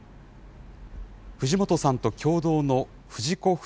藤本さんと共同の藤子